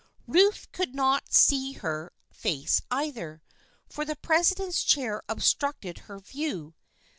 Ruth could not see her face either, for the president's chair obstructed her view.